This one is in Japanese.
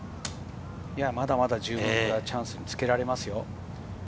まだまだ十分チャンスにつけられますよ。